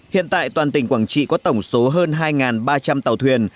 hiện tại toàn tỉnh quảng trị có tổng số hơn hai ba trăm linh tàu thuyền